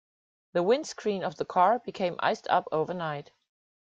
The windscreen of the car became iced up overnight.